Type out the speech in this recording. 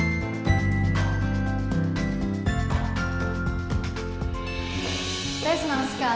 intan tiara intan tiara intan tiara intan tiara intan tiara intan tiara